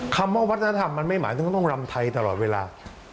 คำว่าวัฒนธรรมมันไม่หมายถึงต้องรำไทยตลอดเวลา